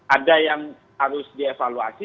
ada yang harus dievaluasi